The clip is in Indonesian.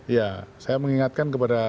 iya saya mengingatkan kepada